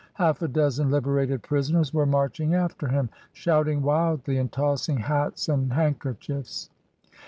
Half a dozen liberated prisoners were marching after him, shouting wildly and tossing hats and handkerchiefs.